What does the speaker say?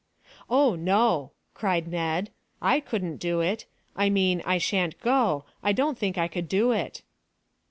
"Oh no," cried Ned; "I couldn't do it. I mean, I shan't go. I don't think I could do it."